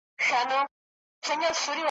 یو څو ورځي یې خالي راوړل دامونه ,